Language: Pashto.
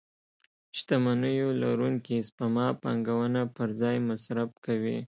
شتمنيو لرونکي سپما پانګونه پر ځای مصرف کوي.